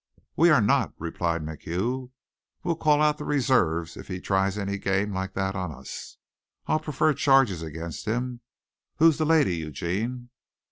"We are not," replied MacHugh. "We'll call out the reserves if he tries any game like that on us. I'll prefer charges against him. Who's the lady, Eugene?"